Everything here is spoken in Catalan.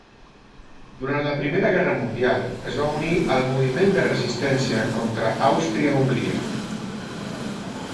Durant la Primera Guerra Mundial es va unir al moviment de resistència contra Àustria-Hongria.